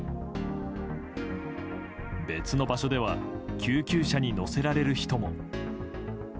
別の場所では救急車に乗せられる人も。